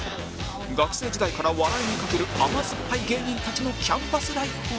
学生時代から笑いに懸ける甘酸っぱい芸人たちのキャンパスライフを